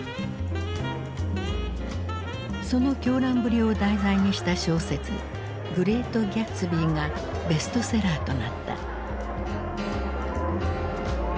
その狂乱ぶりを題材にした小説「グレート・ギャツビー」がベストセラーとなった。